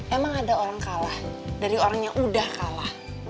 emang ada orang kalah dari orang yang udah kalah